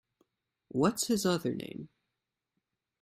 What’s his other name?